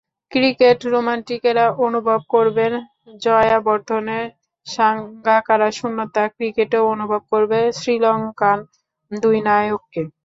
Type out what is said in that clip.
Cricket রোমান্টিকেরা অনুভব করবেন জয়াবর্ধনে-সাঙ্গাকারার শূন্যতা, ক্রিকেটও অনুভব করবে শ্রীলঙ্কান দুই নায়ককে।